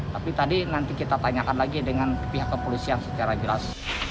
tapi tadi nanti kita tanyakan lagi dengan pihak kepolisian secara jelas